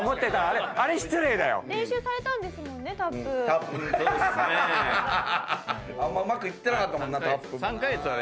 あんまりうまくいってなかったもんなタップもな。